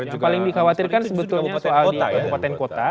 yang paling dikhawatirkan sebetulnya soal di kabupaten kota